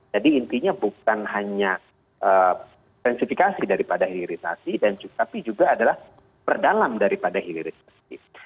jadi intinya bukan hanya intensifikasi daripada hilirisasi tapi juga adalah perdalam daripada hilirisasi